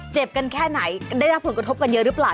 เจ็บกันแค่ไหนได้รับผลกระทบกันเยอะหรือเปล่า